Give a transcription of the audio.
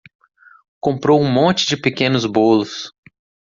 Comprou um monte de pequenos bolos